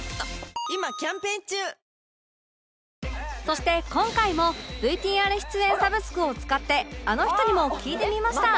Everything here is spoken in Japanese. そして今回も ＶＴＲ 出演サブスクを使ってあの人にも聞いてみました